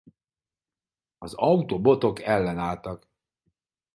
Az autobotok ellenálltak.